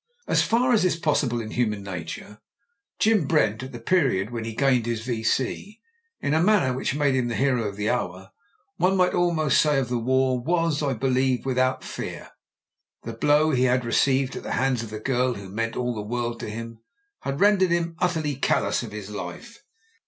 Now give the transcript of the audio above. As far as is possible in human nature, Jim Brent, at the period when he gained his V.C. in a manner which made him the hero of the hour— one might al most say of the war — ^was, I believe, without fear. The blow he had received at the hands of the girl who meant all the world to him had rendered him ut terly callous of his life.